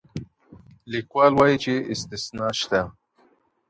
ليکوال وايي چې استثنا شته.